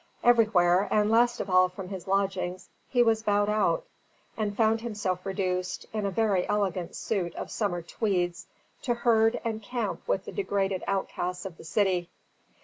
Everywhere, and last of all from his lodgings, he was bowed out; and found himself reduced, in a very elegant suit of summer tweeds, to herd and camp with the degraded outcasts of the city.